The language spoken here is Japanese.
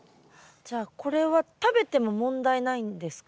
じゃあこれは食べても問題ないんですか？